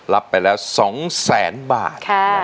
ลับไปแล้วสองแสนบาท